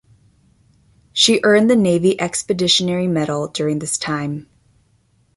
She earned the Navy Expeditionary Medal during this time.